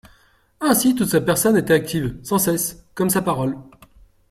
Ainsi toute sa personne était active, sans cesse, comme sa parole.